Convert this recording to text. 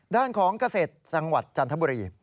ด้านของเกษตรจังหวัดจันทบุรี